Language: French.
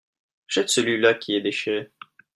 Jette celui-là qui est déchiré.